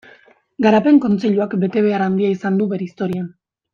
Garapen Kontseiluak betebehar handia izan du bere historian.